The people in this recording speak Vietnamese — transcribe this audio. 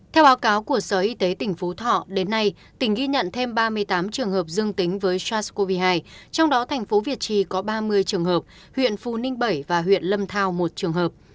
theo báo cáo của sở y tế tỉnh phú thọ đến nay tỉnh ghi nhận thêm ba mươi tám trường hợp dương tính với sars cov hai trong đó thành phố việt trì có ba mươi trường hợp huyện phú ninh bảy và huyện lâm thao một trường hợp